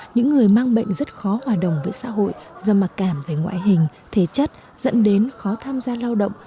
những người mang bệnh rất khó hòa đồng với xã hội do mặc cảm về ngoại hình thể chất dẫn đến khó tham gia lao động